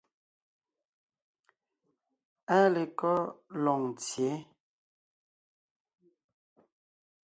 Áa lekɔ́ Loŋtsyě?